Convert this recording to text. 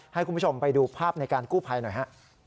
ให้คุณผู้ชมไปดูภาพในการกู้ภัยหน่อยฮะ